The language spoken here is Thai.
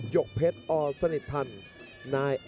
มีความรู้สึกว่า